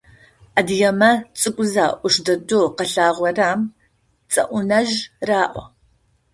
Адыгэмэ цӏыкӏузэ ӏуш дэдэу къэлъагъорэм Цэӏунэжъ раӏо.